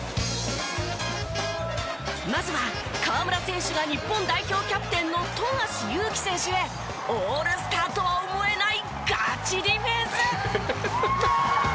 まずは河村選手が日本代表キャプテンの富樫勇樹選手へオールスターとは思えないガチディフェンス！